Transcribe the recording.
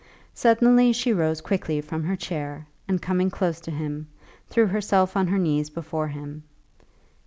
Suddenly she rose quickly from her chair, and coming close to him, threw herself on her knees before him.